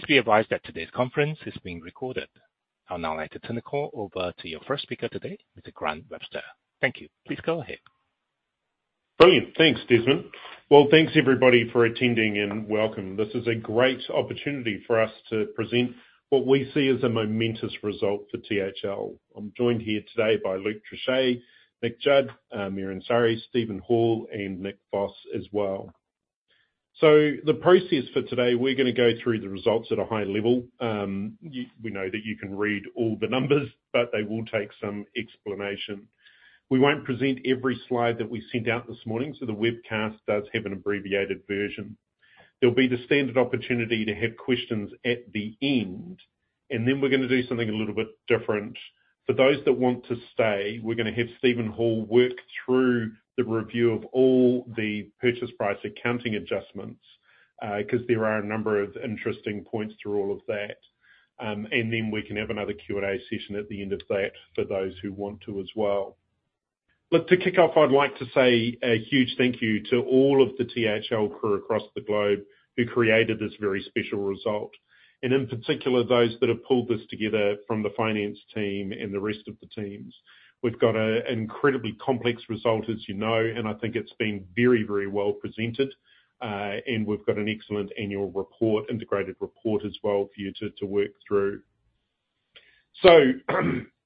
Please be advised that today's conference is being recorded. I would now like to turn the call over to your first speaker today, Mr. Grant Webster. Thank you. Please go ahead. Brilliant. Thanks, Desmond. Well, thanks everybody for attending, and welcome. This is a great opportunity for us to present what we see as a momentous result for THL. I'm joined here today by Luke Trouchet, Nick Judd, Amir Ansari, Steven Hall, and Nick Foss as well. So the process for today, we're gonna go through the results at a high level. We know that you can read all the numbers, but they will take some explanation. We won't present every slide that we sent out this morning, so the webcast does have an abbreviated version. There'll be the standard opportunity to have questions at the end, and then we're gonna do something a little bit different. For those that want to stay, we're gonna have Steven Hall work through the review of all the purchase price accounting adjustments, 'cause there are a number of interesting points through all of that. And then we can have another Q&A session at the end of that for those who want to as well. But to kick off, I'd like to say a huge thank you to all of the THL crew across the globe, who created this very special result, and in particular, those that have pulled this together from the finance team and the rest of the teams. We've got a incredibly complex result, as you know, and I think it's been very, very well presented. And we've got an excellent annual report, integrated report as well, for you to, to work through. So,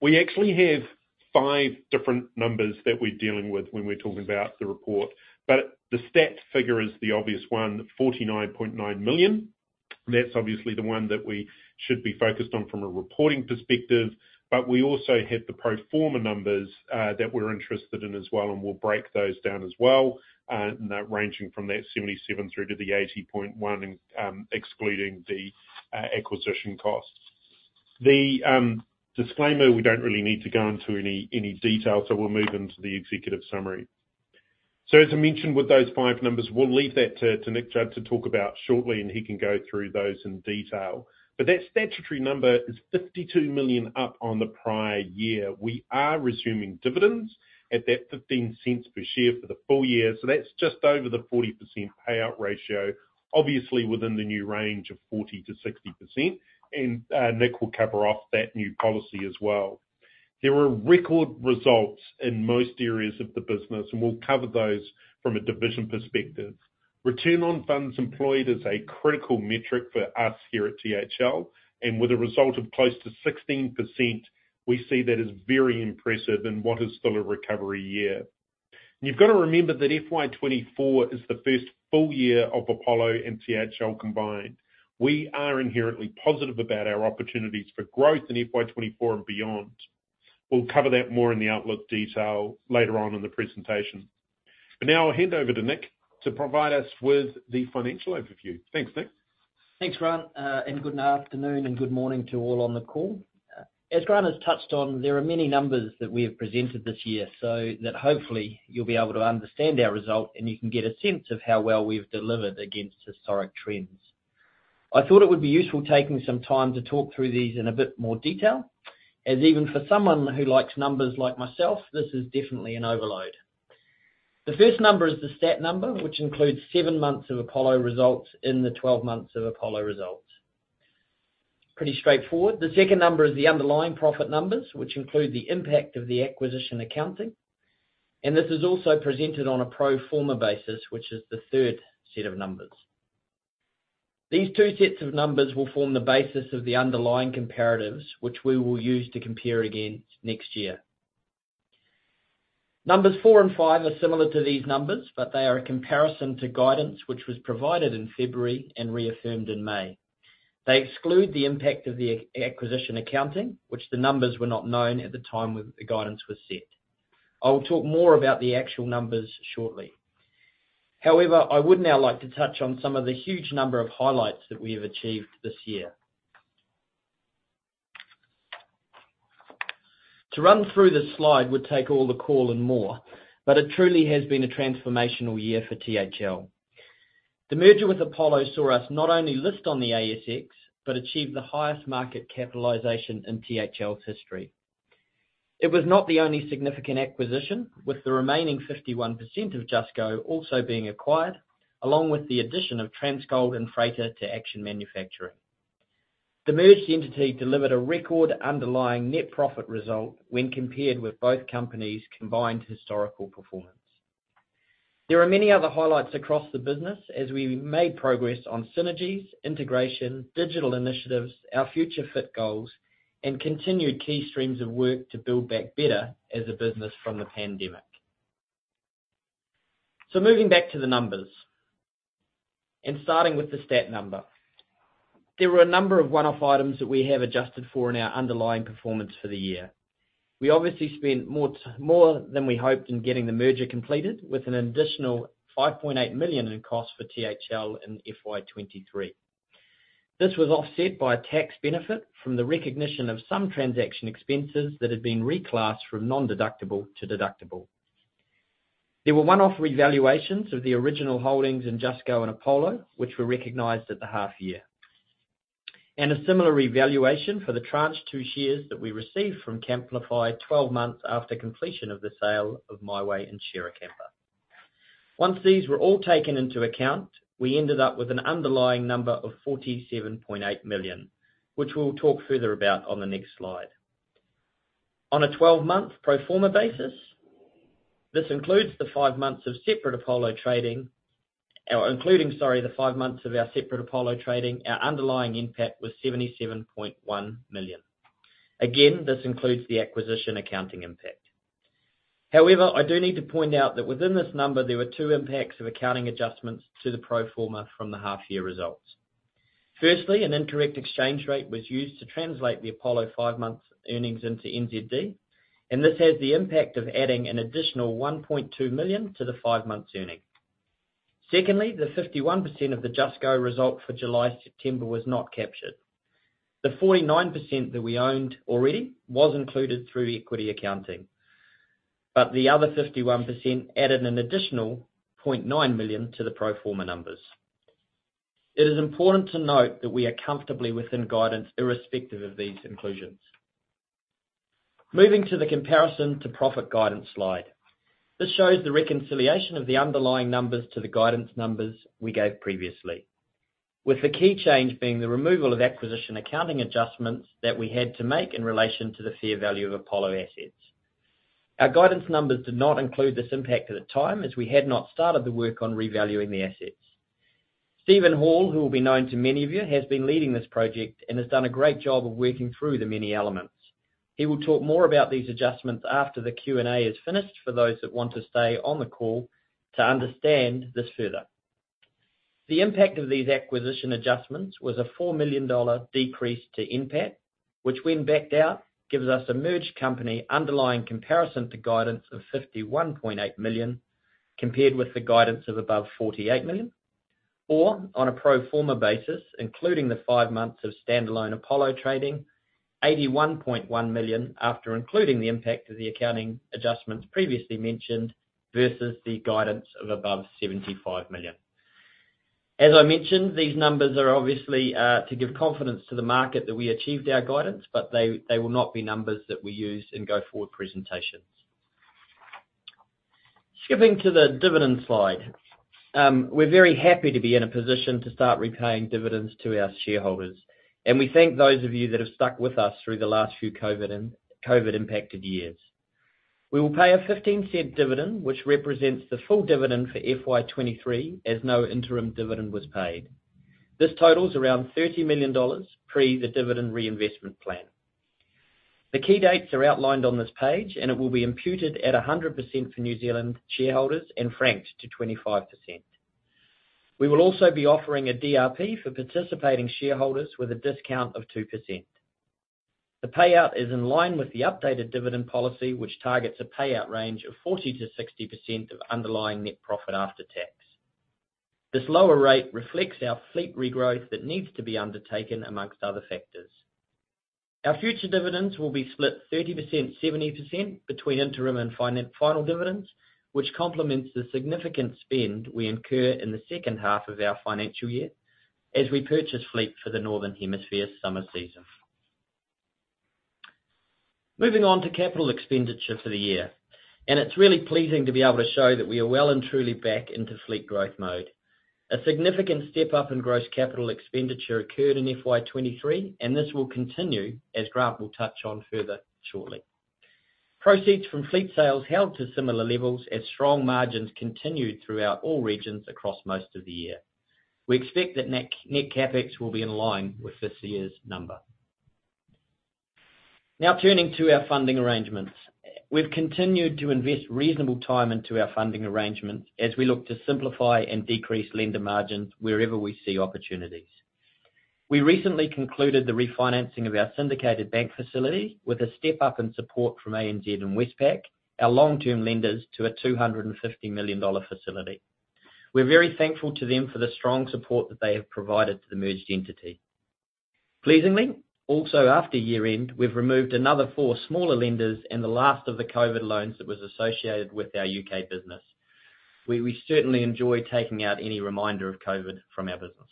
we actually have five different numbers that we're dealing with when we're talking about the report, but the stat figure is the obvious one, 49.9 million. That's obviously the one that we should be focused on from a reporting perspective, but we also have the pro forma numbers that we're interested in as well, and we'll break those down as well. And that ranging from that 77 million through to the 80.1 million and excluding the acquisition costs. The disclaimer, we don't really need to go into any detail, so we'll move into the executive summary. So, as I mentioned with those five numbers, we'll leave that to Nick Judd to talk about shortly, and he can go through those in detail. But that statutory number is 52 million up on the prior year. We are resuming dividends at that 0.15 per share for the full year, so that's just over the 40% payout ratio, obviously within the new range of 40%-60%, and Nick will cover off that new policy as well. There were record results in most areas of the business, and we'll cover those from a division perspective. Return on funds employed is a critical metric for us here at THL, and with a result of close to 16%, we see that as very impressive in what is still a recovery year. You've got to remember that FY 2024 is the first full year of Apollo and THL combined. We are inherently positive about our opportunities for growth in FY 2024 and beyond. We'll cover that more in the outlook detail later on in the presentation. But now I'll hand over to Nick to provide us with the financial overview. Thanks, Nick. Thanks, Grant, and good afternoon and good morning to all on the call. As Grant has touched on, there are many numbers that we have presented this year, so that hopefully you'll be able to understand our result, and you can get a sense of how well we've delivered against historic trends. I thought it would be useful taking some time to talk through these in a bit more detail, as even for someone who likes numbers like myself, this is definitely an overload. The first number is the stat number, which includes 7 months of Apollo results in the 12 months of Apollo results. Pretty straightforward. The second number is the underlying profit numbers, which include the impact of the acquisition accounting, and this is also presented on a pro forma basis, which is the third set of numbers. These two sets of numbers will form the basis of the underlying comparatives, which we will use to compare against next year. Numbers four and five are similar to these numbers, but they are a comparison to guidance which was provided in February and reaffirmed in May. They exclude the impact of the acquisition accounting, which the numbers were not known at the time when the guidance was set. I will talk more about the actual numbers shortly. However, I would now like to touch on some of the huge number of highlights that we have achieved this year. To run through this slide would take all the call and more, but it truly has been a transformational year for THL. The merger with Apollo saw us not only list on the ASX, but achieve the highest market capitalization in THL's history. It was not the only significant acquisition, with the remaining 51% Just go also being acquired, along with the addition of Transcold and Fairfax to Action Manufacturing. The merged entity delivered a record underlying net profit result when compared with both companies' combined historical performance. There are many other highlights across the business, as we made progress on synergies, integration, digital initiatives, our Future-Fit goals, and continued key streams of work to build back better as a business from the pandemic. So moving back to the numbers, and starting with the statutory number. There were a number of one-off items that we have adjusted for in our underlying performance for the year. We obviously spent more than we hoped in getting the merger completed, with an additional 5.8 million in costs for THL in FY 2023. This was offset by a tax benefit from the recognition of some transaction expenses that had been reclassed from non-deductible to deductible. There were one-off revaluations of the original holdings Just go and Apollo, which were recognized at the half year. A similar revaluation for the tranche two shares that we received from Camplify 12 months after completion of the sale of Mighway and ShareaCamper. Once these were all taken into account, we ended up with an underlying number of 47.8 million, which we'll talk further about on the next slide. On a 12-month pro forma basis, this includes the five months of separate Apollo trading, or including, sorry, the five months of our separate Apollo trading, our underlying NPAT was 77.1 million. Again, this includes the acquisition accounting impact. However, I do need to point out that within this number, there were two impacts of accounting adjustments to the pro forma from the half year results. Firstly, an incorrect exchange rate was used to translate the Apollo five-month earnings into NZD, and this has the impact of adding an additional 1.2 million to the five months' earning. Secondly, the 51% of the Just go result for July-September was not captured. The 49% that we owned already was included through equity accounting, but the other 51% added an additional 0.9 million to the pro forma numbers. It is important to note that we are comfortably within guidance, irrespective of these inclusions. Moving to the comparison to profit guidance slide. This shows the reconciliation of the underlying numbers to the guidance numbers we gave previously, with the key change being the removal of acquisition accounting adjustments that we had to make in relation to the fair value of Apollo assets. Our guidance numbers did not include this impact at the time, as we had not started the work on revaluing the assets. Steven Hall, who will be known to many of you, has been leading this project and has done a great job of working through the many elements. He will talk more about these adjustments after the Q&A is finished, for those that want to stay on the call, to understand this further. The impact of these acquisition adjustments was a 4 million dollar decrease to NPAT, which, when backed out, gives us a merged company underlying comparison to guidance of 51.8 million, compared with the guidance of above 48 million. Or, on a pro forma basis, including the five months of standalone Apollo trading, 81.1 million, after including the impact of the accounting adjustments previously mentioned, versus the guidance of above 75 million. As I mentioned, these numbers are obviously to give confidence to the market that we achieved our guidance, but they, they will not be numbers that we use in go-forward presentations. Skipping to the dividend slide. We're very happy to be in a position to start repaying dividends to our shareholders, and we thank those of you that have stuck with us through the last few COVID and COVID-impacted years. We will pay a 0.15 dividend, which represents the full dividend for FY 2023, as no interim dividend was paid. This totals around 30 million dollars, pre the Dividend Reinvestment Plan. The key dates are outlined on this page, and it will be imputed at 100% for New Zealand shareholders and franked to 25%. We will also be offering a DRP for participating shareholders with a discount of 2%. The payout is in line with the updated dividend policy, which targets a payout range of 40%-60% of underlying net profit after tax. This lower rate reflects our fleet regrowth that needs to be undertaken, among other factors. Our future dividends will be split 30%, 70% between interim and final dividends, which complements the significant spend we incur in the second half of our financial year, as we purchase fleet for the Northern Hemisphere summer season. Moving on to capital expenditure for the year, and it's really pleasing to be able to show that we are well and truly back into fleet growth mode. A significant step-up in gross capital expenditure occurred in FY 2023, and this will continue as Grant will touch on further, shortly. Proceeds from fleet sales held to similar levels as strong margins continued throughout all regions across most of the year. We expect that net CapEx will be in line with this year's number. Now, turning to our funding arrangements. We've continued to invest reasonable time into our funding arrangements as we look to simplify and decrease lender margins wherever we see opportunities. We recently concluded the refinancing of our syndicated bank facility with a step-up in support from ANZ and Westpac, our long-term lenders, to a 250 million dollar facility. We're very thankful to them for the strong support that they have provided to the merged entity. Pleasingly, also after year-end, we've removed another four smaller lenders and the last of the COVID loans that was associated with our UK business. We certainly enjoy taking out any reminder of COVID from our business.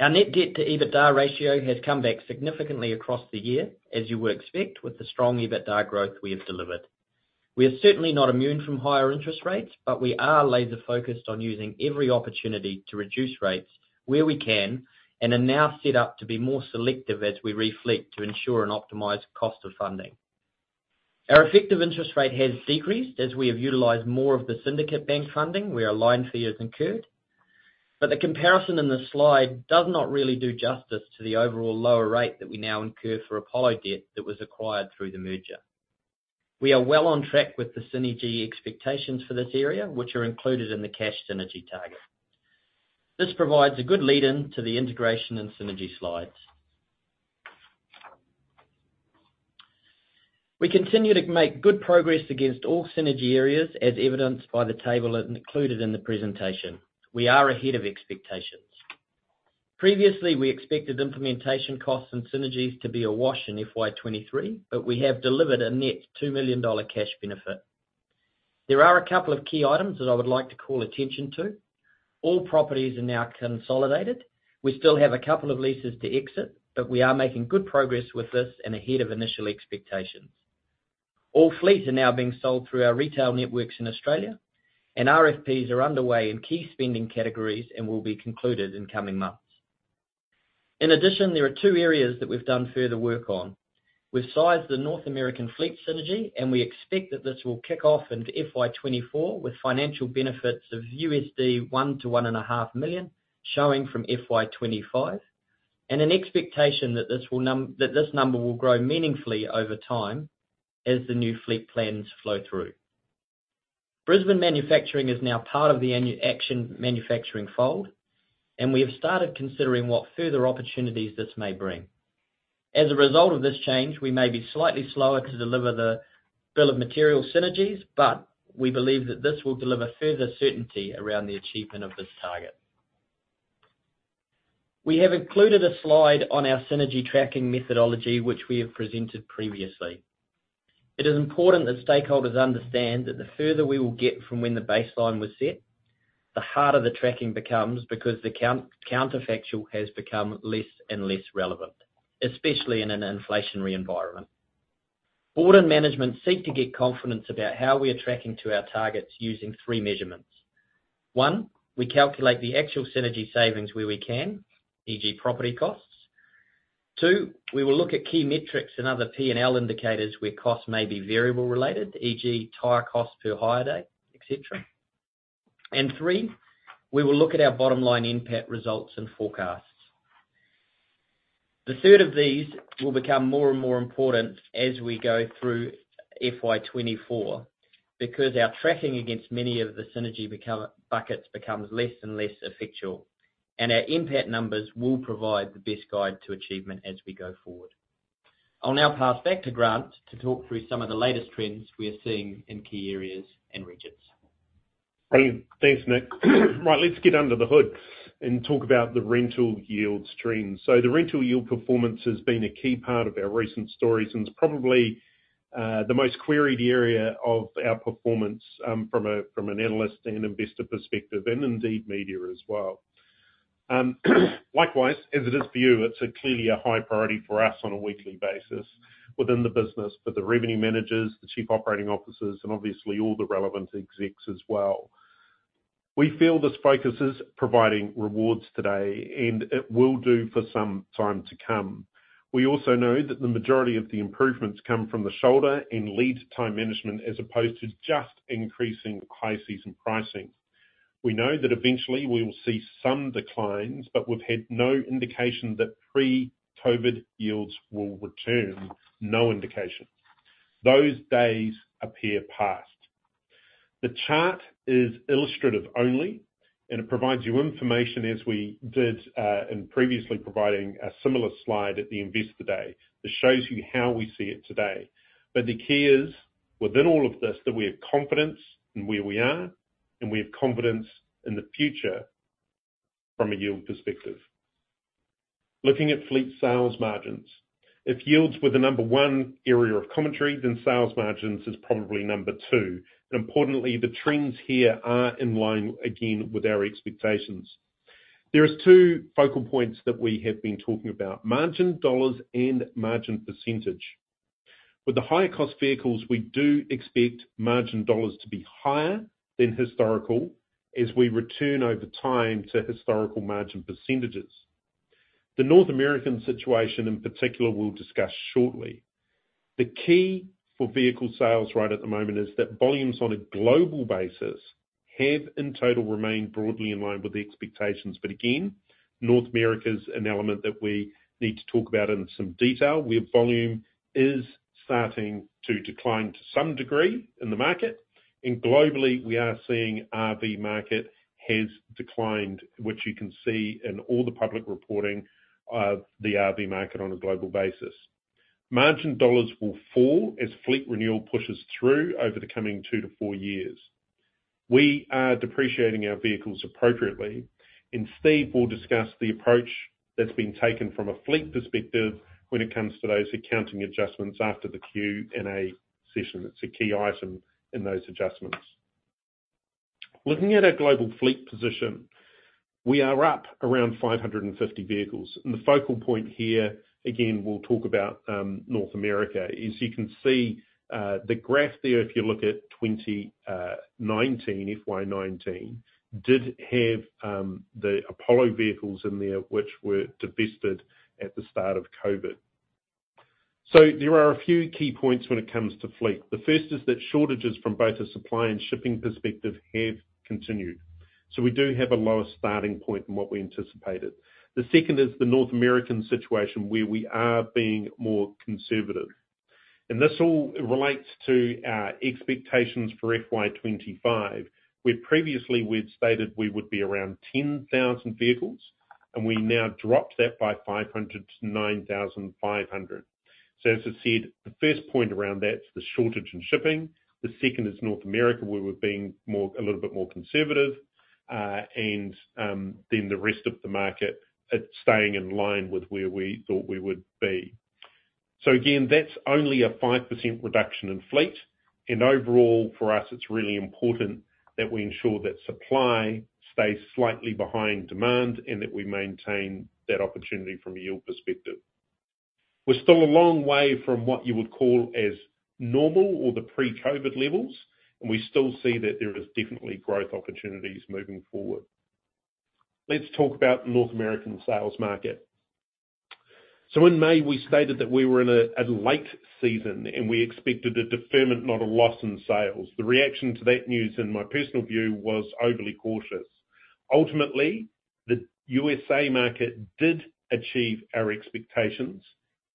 Our net debt-to-EBITDA ratio has come back significantly across the year, as you would expect, with the strong EBITDA growth we have delivered. We are certainly not immune from higher interest rates, but we are laser-focused on using every opportunity to reduce rates where we can, and are now set up to be more selective as we refleet, to ensure an optimized cost of funding. Our effective interest rate has decreased, as we have utilized more of the syndicate bank funding, where our line fee is incurred. But the comparison in this slide does not really do justice to the overall lower rate that we now incur for Apollo debt that was acquired through the merger. We are well on track with the synergy expectations for this area, which are included in the cash synergy target. This provides a good lead-in to the integration and synergy slides. We continue to make good progress against all synergy areas, as evidenced by the table included in the presentation. We are ahead of expectations. Previously, we expected implementation costs and synergies to be a wash in FY 2023, but we have delivered a net 2 million dollar cash benefit. There are a couple of key items that I would like to call attention to.... All properties are now consolidated. We still have a couple of leases to exit, but we are making good progress with this and ahead of initial expectations. All fleets are now being sold through our retail networks in Australia, and RFPs are underway in key spending categories and will be concluded in coming months. In addition, there are two areas that we've done further work on. We've sized the North American fleet synergy, and we expect that this will kick off into FY 2024, with financial benefits of $1 million-$1.5 million, showing from FY 2025, and an expectation that this number will grow meaningfully over time as the new fleet plans flow through. Brisbane Manufacturing is now part of the Action Manufacturing fold, and we have started considering what further opportunities this may bring. As a result of this change, we may be slightly slower to deliver the bill of material synergies, but we believe that this will deliver further certainty around the achievement of this target. We have included a slide on our synergy tracking methodology, which we have presented previously. It is important that stakeholders understand that the further we will get from when the baseline was set, the harder the tracking becomes because the counterfactual has become less and less relevant, especially in an inflationary environment. Board and management seek to get confidence about how we are tracking to our targets using three measurements. One, we calculate the actual synergy savings where we can, e.g., property costs. Two, we will look at key metrics and other P&L indicators where costs may be variable related, e.g., tire cost per hire day, et cetera. And three, we will look at our bottom-line NPAT results and forecasts. The third of these will become more and more important as we go through FY 2024, because our tracking against many of the synergy buckets becomes less and less effectual, and our NPAT numbers will provide the best guide to achievement as we go forward. I'll now pass back to Grant to talk through some of the latest trends we are seeing in key areas and regions. Thank you. Thanks, Nick. Right, let's get under the hood and talk about the rental yields trends. So the rental yield performance has been a key part of our recent stories, and it's probably the most queried area of our performance from an analyst and investor perspective, and indeed media as well. Likewise, as it is for you, it's clearly a high priority for us on a weekly basis within the business, for the revenue managers, the chief operating officers, and obviously all the relevant execs as well. We feel this focus is providing rewards today, and it will do for some time to come. We also know that the majority of the improvements come from the shoulder and lead time management, as opposed to just increasing high season pricing. We know that eventually we will see some declines, but we've had no indication that pre-COVID yields will return. No indication. Those days appear past. The chart is illustrative only, and it provides you information as we did in previously providing a similar slide at the Investor Day, that shows you how we see it today. But the key is, within all of this, that we have confidence in where we are, and we have confidence in the future from a yield perspective. Looking at fleet sales margins. If yields were the number one area of commentary, then sales margins is probably number two. And importantly, the trends here are in line, again, with our expectations. There is two focal points that we have been talking about: margin dollars and margin percentage. With the higher cost vehicles, we do expect margin dollars to be higher than historical as we return over time to historical margin percentages. The North American situation in particular, we'll discuss shortly. The key for vehicle sales right at the moment is that volumes on a global basis have, in total, remained broadly in line with the expectations, but again, North America's an element that we need to talk about in some detail, where volume is starting to decline to some degree in the market. And globally, we are seeing RV market has declined, which you can see in all the public reporting of the RV market on a global basis. Margin dollars will fall as fleet renewal pushes through over the coming 2-4 years. We are depreciating our vehicles appropriately, and Steve will discuss the approach that's been taken from a fleet perspective when it comes to those accounting adjustments after the Q&A session. It's a key item in those adjustments. Looking at our global fleet position, we are up around 550 vehicles. The focal point here, again, we'll talk about North America, is you can see the graph there, if you look at 2019, FY 2019, did have the Apollo vehicles in there, which were divested at the start of COVID. So there are a few key points when it comes to fleet. The first is that shortages from both a supply and shipping perspective have continued, so we do have a lower starting point than what we anticipated. The second is the North American situation, where we are being more conservative. This all relates to our expectations for FY 2025, where previously we'd stated we would be around 10,000 vehicles, and we now dropped that by 500 to 9,500. So as I said, the first point around that's the shortage in shipping, the second is North America, where we're being more - a little bit more conservative, and then the rest of the market, it's staying in line with where we thought we would be. So again, that's only a 5% reduction in fleet, and overall for us, it's really important that we ensure that supply stays slightly behind demand, and that we maintain that opportunity from a yield perspective. We're still a long way from what you would call as normal or the pre-COVID levels, and we still see that there is definitely growth opportunities moving forward. Let's talk about the North American sales market. So in May, we stated that we were in a late season, and we expected a deferment, not a loss in sales. The reaction to that news, in my personal view, was overly cautious. Ultimately, the USA market did achieve our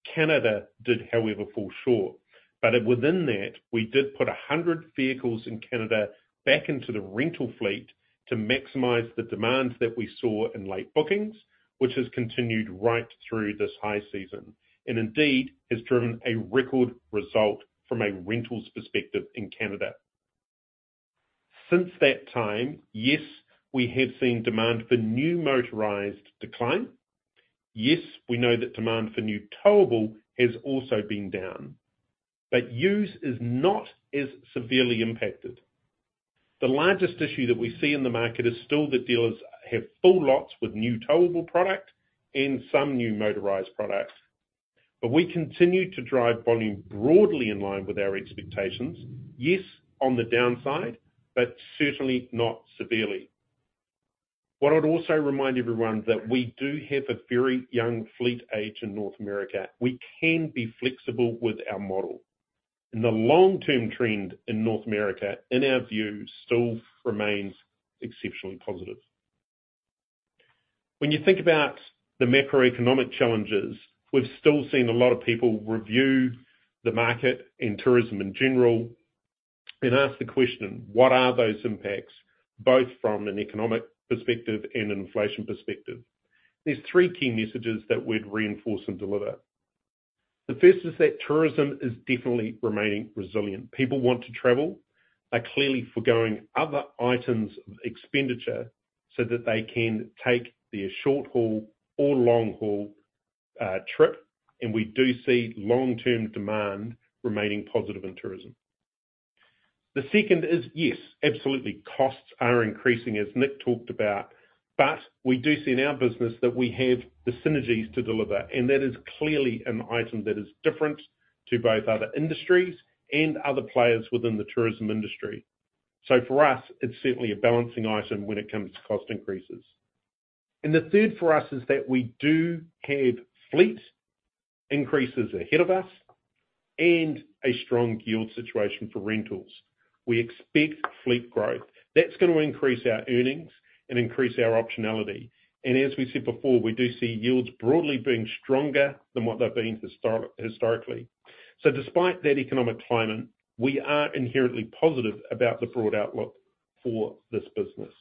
expectations. Canada did, however, fall short, but within that, we did put 100 vehicles in Canada back into the rental fleet to maximize the demand that we saw in late bookings, which has continued right through this high season, and indeed has driven a record result from a rentals perspective in Canada. Since that time, yes, we have seen demand for new motorized decline. Yes, we know that demand for new towable has also been down, but used is not as severely impacted. The largest issue that we see in the market is still that dealers have full lots with new towable product and some new motorized products. But we continue to drive volume broadly in line with our expectations. Yes, on the downside, but certainly not severely. What I'd also remind everyone, that we do have a very young fleet age in North America. We can be flexible with our model. And the long-term trend in North America, in our view, still remains exceptionally positive. When you think about the macroeconomic challenges, we've still seen a lot of people review the market and tourism in general, and ask the question: What are those impacts, both from an economic perspective and an inflation perspective? There's three key messages that we'd reinforce and deliver. The first is that tourism is definitely remaining resilient. People want to travel. They're clearly forgoing other items of expenditure so that they can take their short-haul or long-haul trip, and we do see long-term demand remaining positive in tourism. The second is, yes, absolutely, costs are increasing, as Nick talked about, but we do see in our business that we have the synergies to deliver, and that is clearly an item that is different to both other industries and other players within the tourism industry. So for us, it's certainly a balancing item when it comes to cost increases. And the third for us is that we do have fleet increases ahead of us and a strong yield situation for rentals. We expect fleet growth. That's gonna increase our earnings and increase our optionality. And as we said before, we do see yields broadly being stronger than what they've been historically. So despite that economic climate, we are inherently positive about the broad outlook for this business.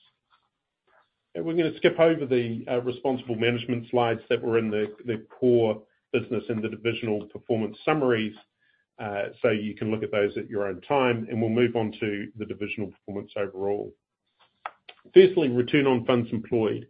We're gonna skip over the responsible management slides that were in the core business and the divisional performance summaries. So you can look at those at your own time, and we'll move on to the divisional performance overall. Firstly, return on funds employed.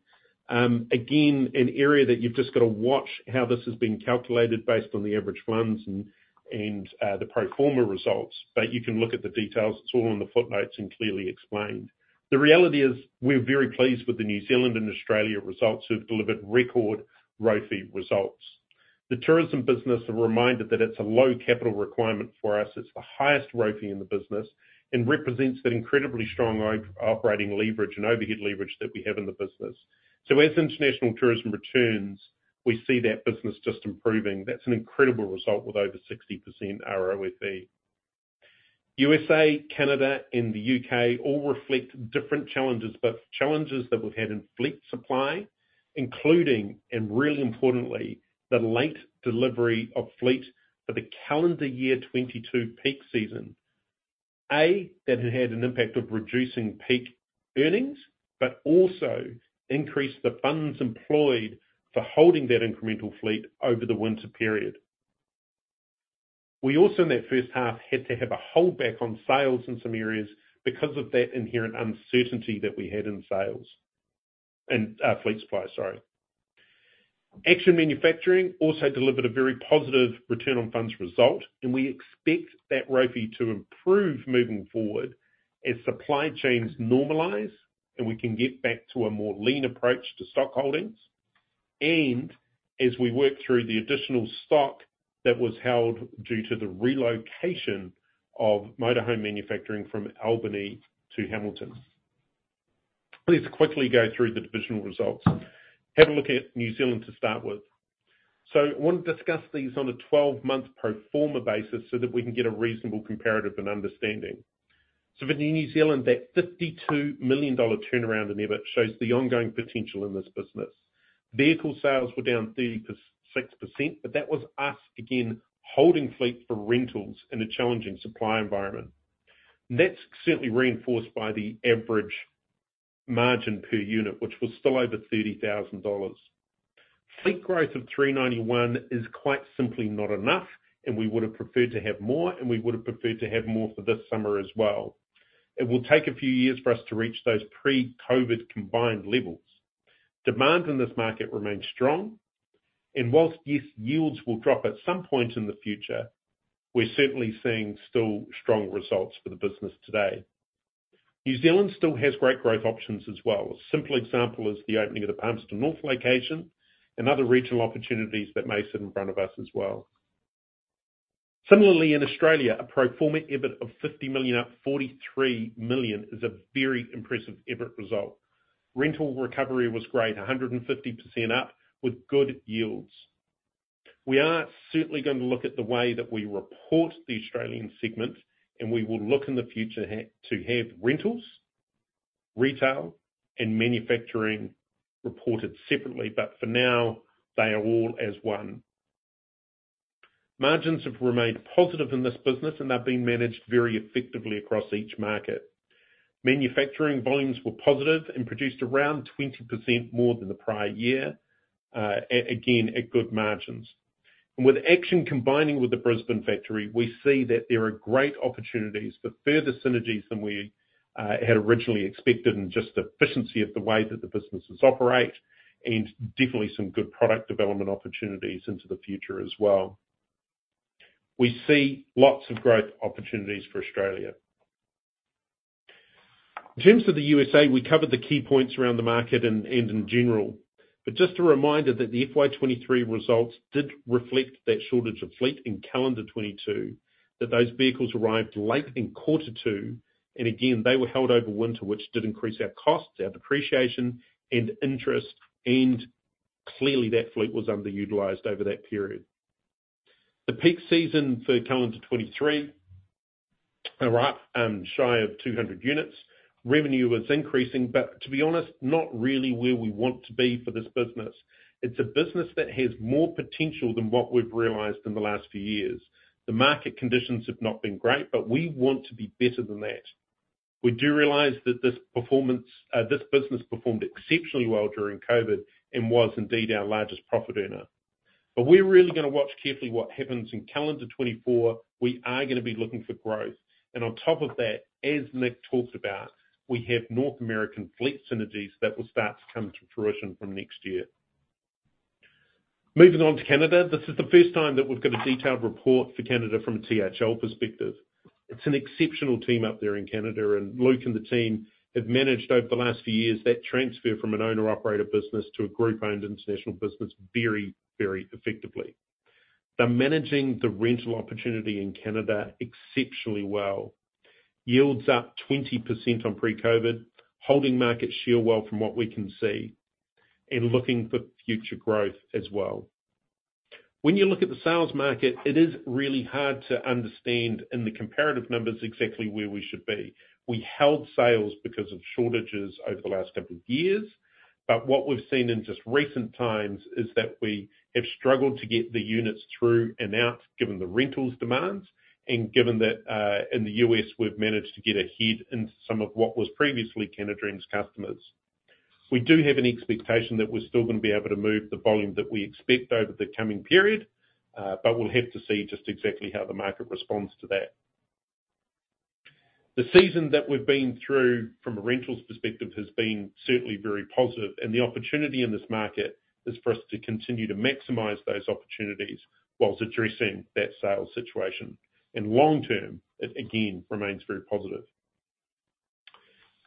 Again, an area that you've Just got to watch how this has been calculated based on the average funds and the pro forma results, but you can look at the details. It's all on the footnotes and clearly explained. The reality is, we're very pleased with the New Zealand and Australia results, who've delivered record ROFE results. The tourism business, a reminder that it's a low capital requirement for us. It's the highest ROFE in the business and represents that incredibly strong operating leverage and overhead leverage that we have in the business. So as international tourism returns, we see that business just improving. That's an incredible result with over 60% ROFE. USA, Canada, and the UK all reflect different challenges, but challenges that we've had in fleet supply, including, and really importantly, the late delivery of fleet for the calendar year 2022 peak season. That had an impact of reducing peak earnings, but also increased the funds employed for holding that incremental fleet over the winter period. We also, in that first half, had to have a holdback on sales in some areas because of that inherent uncertainty that we had in sales... And, fleet supply, sorry. Action Manufacturing also delivered a very positive return on funds result, and we expect that ROFE to improve moving forward as supply chains normalize, and we can get back to a more lean approach to stock holdings, and as we work through the additional stock that was held due to the relocation of motorhome manufacturing from Albany to Hamilton. Let's quickly go through the divisional results. Have a look at New Zealand to start with. So I want to discuss these on a 12-month pro forma basis, so that we can get a reasonable comparative and understanding. So for New Zealand, that 52 million dollar turnaround in EBIT shows the ongoing potential in this business. Vehicle sales were down 36%, but that was us, again, holding fleet for rentals in a challenging supply environment. That's certainly reinforced by the average margin per unit, which was still over 30 thousand dollars. Fleet growth of 391 is quite simply not enough, and we would have preferred to have more, and we would have preferred to have more for this summer as well. It will take a few years for us to reach those pre-COVID combined levels... Demand in this market remains strong, and whilst, yes, yields will drop at some point in the future, we're certainly seeing still strong results for the business today. New Zealand still has great growth options as well. A simple example is the opening of the Palmerston North location, and other regional opportunities that may sit in front of us as well. Similarly, in Australia, a pro forma EBIT of 50 million, up 43 million, is a very impressive EBIT result. Rental recovery was great, 150% up with good yields. We are certainly going to look at the way that we report the Australian segment, and we will look in the future to have rentals, retail, and manufacturing reported separately. But for now, they are all as one. Margins have remained positive in this business, and they've been managed very effectively across each market. Manufacturing volumes were positive and produced around 20% more than the prior year, again, at good margins. And with Action combining with the Brisbane factory, we see that there are great opportunities for further synergies than we had originally expected, and just efficiency of the way that the businesses operate, and definitely some good product development opportunities into the future as well. We see lots of growth opportunities for Australia. In terms of the USA, we covered the key points around the market and in general, but just a reminder that the FY 2023 results did reflect that shortage of fleet in calendar 2022. That those vehicles arrived late in quarter 2, and again, they were held over winter, which did increase our costs, our depreciation, and interest, and clearly that fleet was underutilized over that period. The peak season for calendar 2023 are up shy of 200 units. Revenue was increasing, but to be honest, not really where we want to be for this business. It's a business that has more potential than what we've realized in the last few years. The market conditions have not been great, but we want to be better than that. We do realize that this performance, this business performed exceptionally well during COVID, and was indeed our largest profit earner. But we're really gonna watch carefully what happens in calendar 2024. We are gonna be looking for growth, and on top of that, as Nick talked about, we have North American fleet synergies that will start to come to fruition from next year. Moving on to Canada. This is the first time that we've got a detailed report for Canada from a THL perspective. It's an exceptional team up there in Canada, and Luke and the team have managed, over the last few years, that transfer from an owner-operator business to a group-owned international business very, very effectively. They're managing the rental opportunity in Canada exceptionally well. Yields up 20% on pre-COVID, holding market share well from what we can see, and looking for future growth as well. When you look at the sales market, it is really hard to understand, in the comparative numbers, exactly where we should be. We held sales because of shortages over the last couple years, but what we've seen in just recent times is that we have struggled to get the units through and out, given the rentals demands, and given that, in the US, we've managed to get ahead in some of what was previously CanaDream's customers. We do have an expectation that we're still gonna be able to move the volume that we expect over the coming period, but we'll have to see just exactly how the market responds to that. The season that we've been through from a rentals perspective, has been certainly very positive, and the opportunity in this market is for us to continue to maximize those opportunities while addressing that sales situation. Long term, it again remains very positive.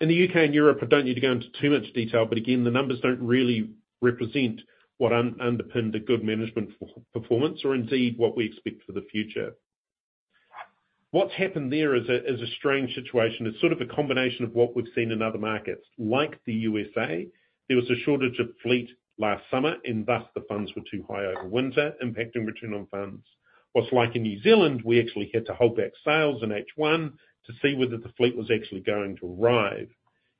In the U.K. and Europe, I don't need to go into too much detail, but again, the numbers don't really represent what underpinned a good management performance, or indeed what we expect for the future. What's happened there is a strange situation. It's sort of a combination of what we've seen in other markets. Like the USA, there was a shortage of fleet last summer, and thus, the funds were too high over winter, impacting return on funds. While like in New Zealand, we actually had to hold back sales in H1 to see whether the fleet was actually going to arrive.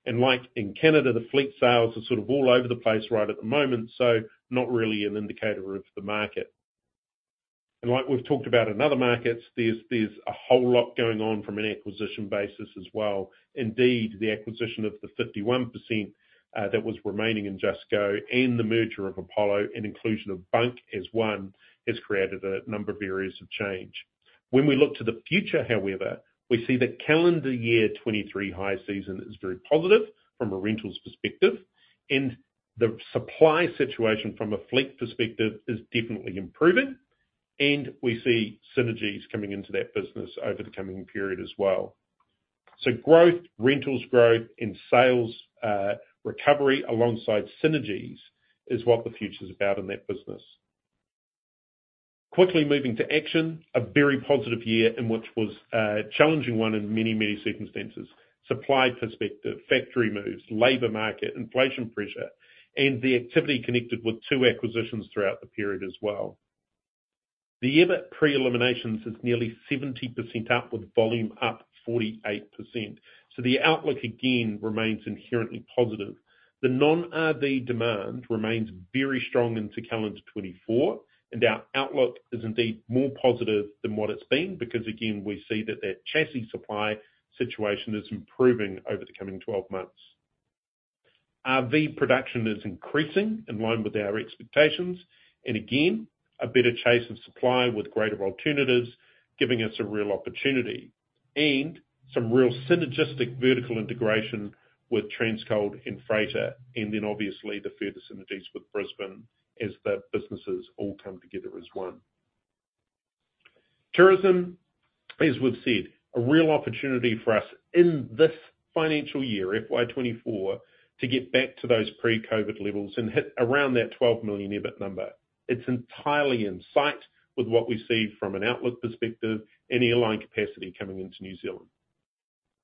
Like in Canada, the fleet sales are sort of all over the place right at the moment, so not really an indicator of the market. Like we've talked about in other markets, there's a whole lot going on from an acquisition basis as well. Indeed, the acquisition of the 51%, that was remaining Just go, and the merger of Apollo, and inclusion of Bunk as one, has created a number of areas of change. When we look to the future, however, we see that calendar year 2023 high season is very positive from a rentals perspective, and the supply situation from a fleet perspective is definitely improving, and we see synergies coming into that business over the coming period as well. So growth, rentals growth, and sales recovery alongside synergies is what the future's about in that business. Quickly moving to Action, a very positive year, and which was a challenging one in many, many circumstances. Supply perspective, factory moves, labor market, inflation pressure, and the activity connected with two acquisitions throughout the period as well. The EBIT pre-eliminations is nearly 70% up, with volume up 48%, so the outlook again remains inherently positive. The non-RV demand remains very strong into calendar 2024, and our outlook is indeed more positive than what it's been, because again, we see that the chassis supply situation is improving over the coming 12 months. RV production is increasing in line with our expectations, and again, a better chase of supply with greater alternatives, giving us a real opportunity... and some real synergistic vertical integration with Transcold and Freighter, and then obviously, the further synergies with Brisbane as the businesses all come together as one. Tourism, as we've said, a real opportunity for us in this financial year, FY 2024, to get back to those pre-COVID levels and hit around that 12 million EBIT number. It's entirely in sight with what we see from an outlook perspective and airline capacity coming into New Zealand.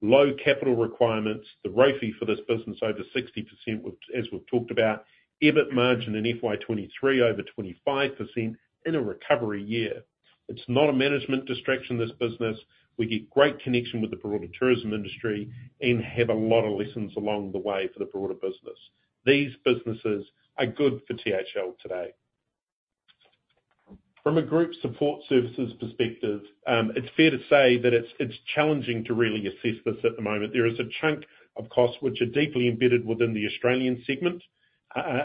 Low capital requirements, the ROFE for this business, over 60%, which, as we've talked about, EBIT margin in FY 2023, over 25% in a recovery year. It's not a management distraction, this business. We get great connection with the broader tourism industry and have a lot of lessons along the way for the broader business. These businesses are good for THL today. From a group support services perspective, it's fair to say that it's challenging to really assess this at the moment. There is a chunk of costs which are deeply embedded within the Australian segment,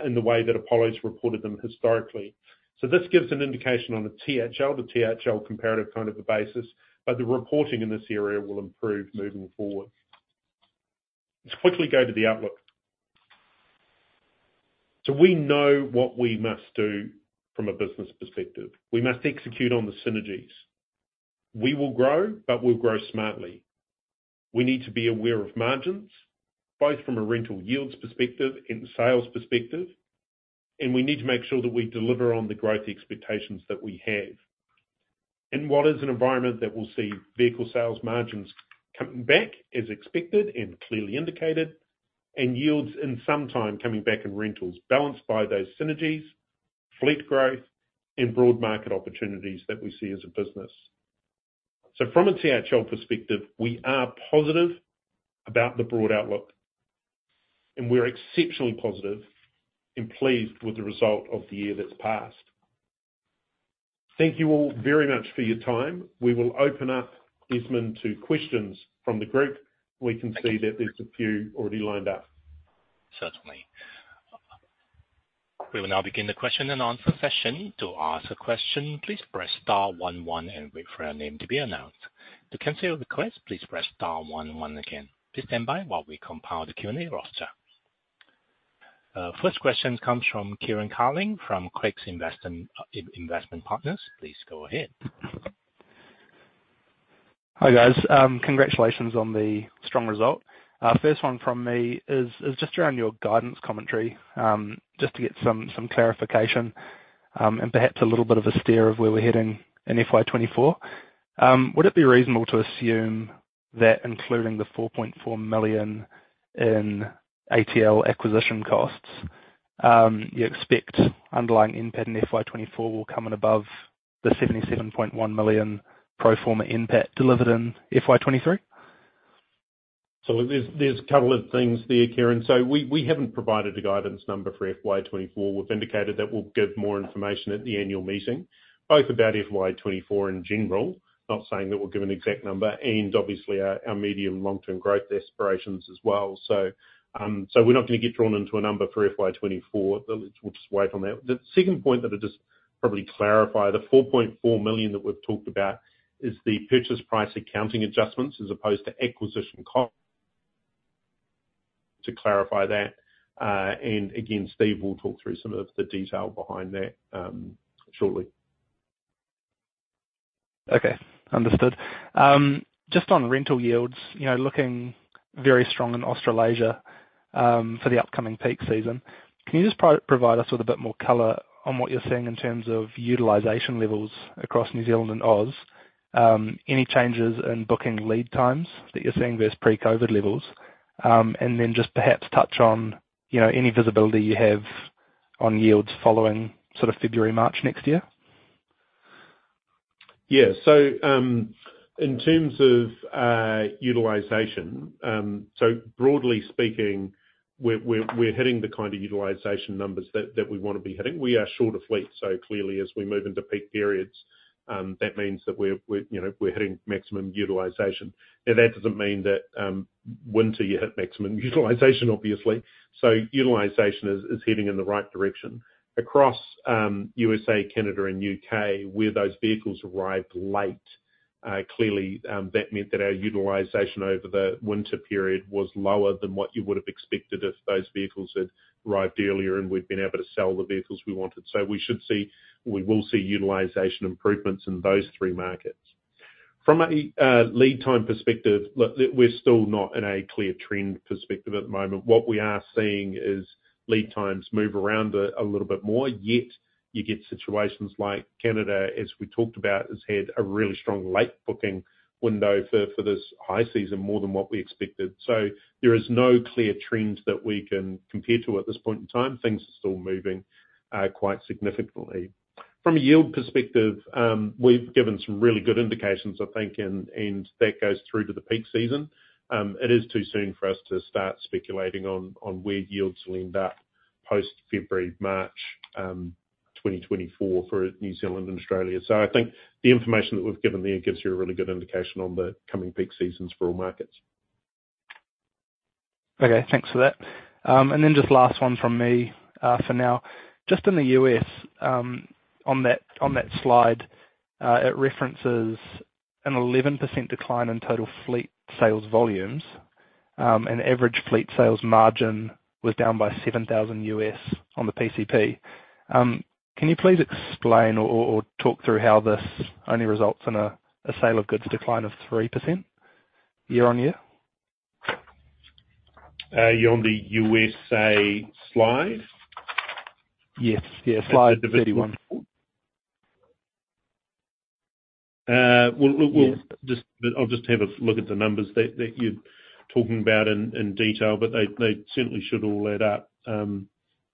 in the way that Apollo's reported them historically. So this gives an indication on a THL to THL comparative kind of a basis, but the reporting in this area will improve moving forward. Let's quickly go to the outlook. So we know what we must do from a business perspective. We must execute on the synergies. We will grow, but we'll grow smartly. We need to be aware of margins, both from a rental yields perspective and sales perspective, and we need to make sure that we deliver on the growth expectations that we have. In what is an environment that will see vehicle sales margins coming back as expected and clearly indicated, and yields in some time coming back in rentals, balanced by those synergies, fleet growth, and broad market opportunities that we see as a business. So from a THL perspective, we are positive about the broad outlook, and we're exceptionally positive and pleased with the result of the year that's passed. Thank you all very much for your time. We will open up, Desmond, to questions from the group. We can see that there's a few already lined up. Certainly. We will now begin the question and answer session. To ask a question, please press star one one and wait for your name to be announced. To cancel the request, please press star one one again. Please stand by while we compile the Q&A roster. First question comes from Kieran Carling from Craigs Investment Partners. Please go ahead. Hi, guys. Congratulations on the strong result. First one from me is just around your guidance commentary. Just to get some clarification, and perhaps a little bit of a steer of where we're heading in FY 2024. Would it be reasonable to assume that including the 4.4 million in ATL acquisition costs, you expect underlying NPAT in FY 2024 will come in above the 77.1 million pro forma NPAT delivered in FY 2023? So there's, there's a couple of things there, Kieran. So we, we haven't provided a guidance number for FY 2024. We've indicated that we'll give more information at the annual meeting, both about FY 2024 in general, not saying that we'll give an exact number, and obviously our, our medium, long-term growth aspirations as well. So, so we're not gonna get drawn into a number for FY 2024. We'll just wait on that. The second point that I'd just probably clarify, the 4.4 million that we've talked about is the purchase price accounting adjustments, as opposed to acquisition costs. To clarify that, and again, Steve will talk through some of the detail behind that, shortly. Okay, understood. Just on rental yields, you know, looking very strong in Australasia, for the upcoming peak season, can you just provide us with a bit more color on what you're seeing in terms of utilization levels across New Zealand and Aus? Any changes in booking lead times that you're seeing versus pre-COVID levels? And then just perhaps touch on, you know, any visibility you have on yields following sort of February, March next year. Yeah. So, in terms of utilization, so broadly speaking, we're hitting the kind of utilization numbers that we want to be hitting. We are short of fleet, so clearly as we move into peak periods, that means that we're, you know, we're hitting maximum utilization. Now, that doesn't mean that winter you hit maximum utilization, obviously. So utilization is heading in the right direction. Across USA, Canada and UK, where those vehicles arrived late, clearly, that meant that our utilization over the winter period was lower than what you would have expected if those vehicles had arrived earlier, and we'd been able to sell the vehicles we wanted. So we should see... we will see utilization improvements in those three markets. From a lead time perspective, we're still not in a clear trend perspective at the moment. What we are seeing is lead times move around a little bit more, yet you get situations like Canada, as we talked about, has had a really strong late booking window for this high season, more than what we expected. So there is no clear trend that we can compare to at this point in time. Things are still moving quite significantly. From a yield perspective, we've given some really good indications, I think, and that goes through to the peak season. It is too soon for us to start speculating on where yields will end up post-February, March 2024 for New Zealand and Australia. I think the information that we've given there gives you a really good indication on the coming peak seasons for all markets.... Okay, thanks for that. And then just last one from me, for now. Just in the U.S., on that, on that slide, it references an 11% decline in total fleet sales volumes. And average fleet sales margin was down by $7,000 on the PCP. Can you please explain or talk through how this only results in a sale of goods decline of 3% year-on-year? You're on the USA slide? Yes. Yeah, slide 31. We'll... Yeah. Just, I'll just have a look at the numbers that you're talking about in detail, but they certainly should all add up. And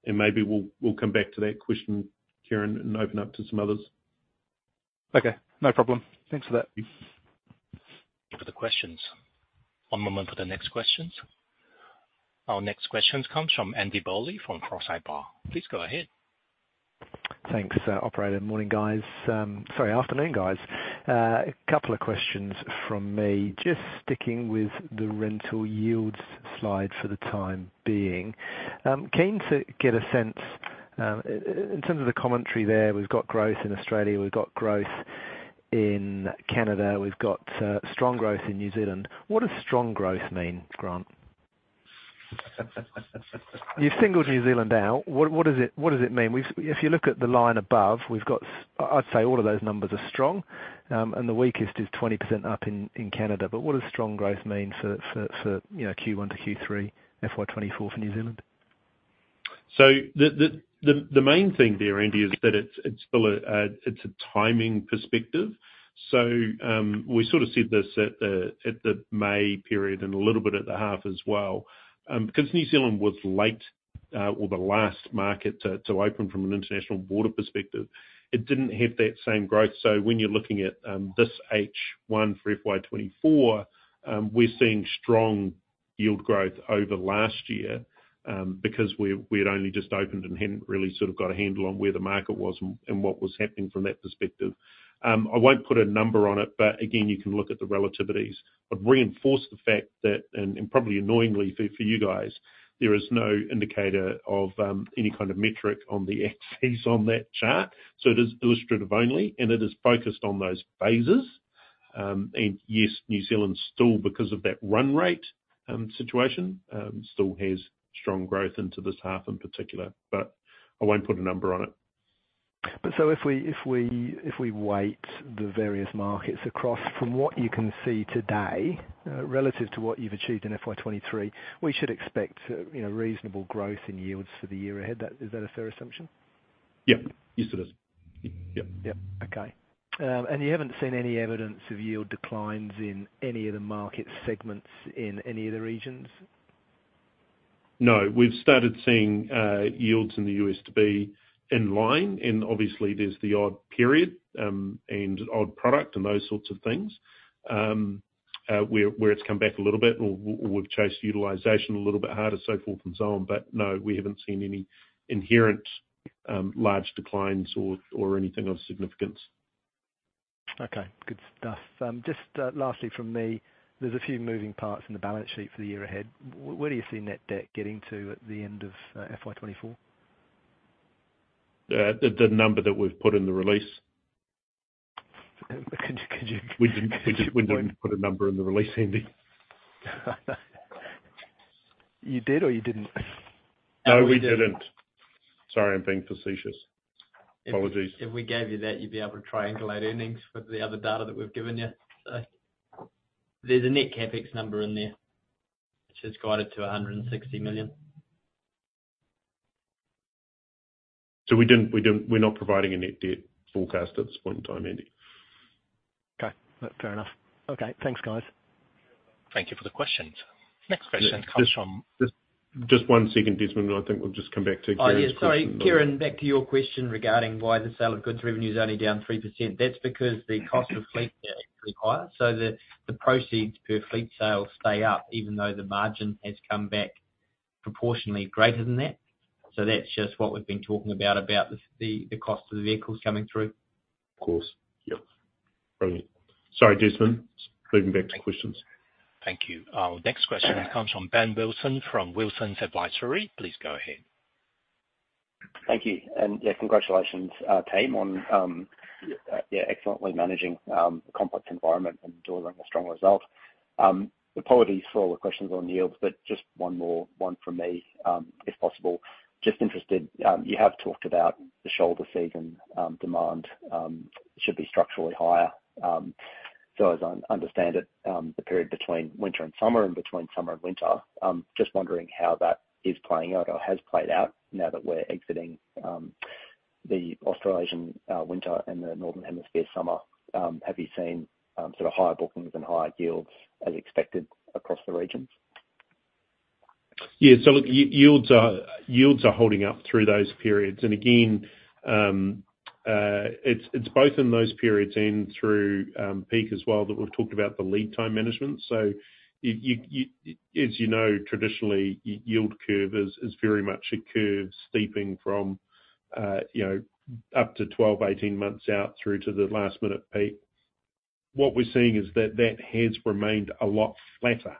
maybe we'll come back to that question, Kieran, and open up to some others. Okay, no problem. Thanks for that. Thank you for the questions. One moment for the next questions. Our next questions comes from Andy Bowley from Forsyth Barr. Please go ahead. Thanks, operator. Morning, guys, sorry, afternoon, guys. A couple of questions from me. Just sticking with the rental yields slide for the time being. Keen to get a sense, in terms of the commentary there, we've got growth in Australia, we've got growth in Canada, we've got strong growth in New Zealand. What does strong growth mean, Grant? You've singled New Zealand out. What does it mean? We've, if you look at the line above, we've got, I'd say all of those numbers are strong, and the weakest is 20% up in Canada. But what does strong growth mean for, you know, Q1 to Q3, FY 2024 for New Zealand? So the main thing there, Andy, is that it's still a timing perspective. So, we sort of said this at the May period, and a little bit at the half as well. Because New Zealand was late or the last market to open from an international border perspective, it didn't have that same growth. So when you're looking at this H1 for FY 2024, we're seeing strong yield growth over last year, because we had only just opened and hadn't really sort of got a handle on where the market was, and what was happening from that perspective. I won't put a number on it, but again, you can look at the relativities. I'd reinforce the fact that, and probably annoyingly for you guys, there is no indicator of any kind of metric on the axis on that chart. So it is illustrative only, and it is focused on those phases. And yes, New Zealand's still, because of that run rate, situation, still has strong growth into this half in particular, but I won't put a number on it. But so if we weight the various markets across, from what you can see today, relative to what you've achieved in FY 2023, we should expect, you know, reasonable growth in yields for the year ahead. That... is that a fair assumption? Yep. Yes, it is. Yep. Yep. Okay. And you haven't seen any evidence of yield declines in any of the market segments in any of the regions? No. We've started seeing yields in the U.S. to be in line, and obviously there's the odd period and odd product, and those sorts of things. Where it's come back a little bit, or we've chased utilization a little bit harder, so forth and so on. But no, we haven't seen any inherent large declines or anything of significance. Okay, good stuff. Just lastly from me, there's a few moving parts in the balance sheet for the year ahead. Where do you see net debt getting to at the end of FY 2024? The number that we've put in the release. Could you? We didn't put a number in the release, Andy. You did or you didn't? No, we didn't. Sorry, I'm being facetious. Apologies. If we gave you that, you'd be able to triangulate earnings with the other data that we've given you. So there's a net CapEx number in there, which has guided to 160 million. We're not providing a net debt forecast at this point in time, Andy. Okay, fair enough. Okay, thanks, guys. Thank you for the questions. Next question comes from- Just, just one second, Desmond, and I think we'll just come back to Kieran's questions. Oh, yeah, sorry. Kieran, back to your question regarding why the sale of goods revenue is only down 3%. That's because the cost of fleet are actually higher, so the proceeds per fleet sale stay up, even though the margin has come back proportionately greater than that. So that's just what we've been talking about, about the cost of the vehicles coming through. Of course. Yeah. Brilliant. Sorry, Desmond, just back to the questions. Thank you. Our next question comes from Ben Wilson, from Wilsons Advisory. Please go ahead. Thank you, and, yeah, congratulations, team on, yeah, excellently managing, a complex environment and delivering a strong result. Apologies for all the questions on yields, but just one more one from me, if possible. Just interested, you have talked about the shoulder season, demand, should be structurally higher. So as I understand it, the period between winter and summer and between summer and winter, just wondering how that is playing out or has played out now that we're exiting, the Australasian, winter and the Northern Hemisphere summer. Have you seen, sort of higher bookings and higher yields as expected across the regions? Yeah. So yields are holding up through those periods. And again, it's both in those periods and through peak as well, that we've talked about the lead time management. So as you know, traditionally, yield curve is very much a curve steepening from, you know, up to 12, 18 months out through to the last minute peak... What we're seeing is that that has remained a lot flatter,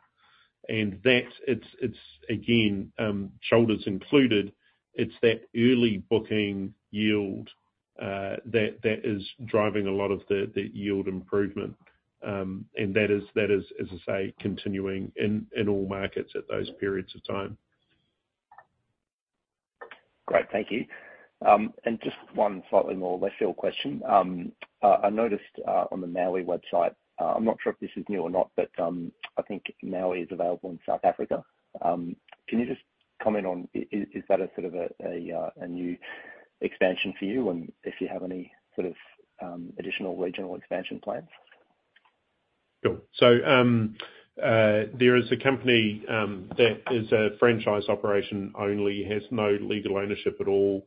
and that's, again, shoulders included, it's that early booking yield that is driving a lot of the yield improvement. And that is, as I say, continuing in all markets at those periods of time. Great. Thank you. And just one slightly more left field question. I noticed on the Maui website, I'm not sure if this is new or not, but I think Maui is available in South Africa. Can you just comment on, is that a sort of a new expansion for you? And if you have any sort of additional regional expansion plans? Sure. So, there is a company that is a franchise operation only, has no legal ownership at all,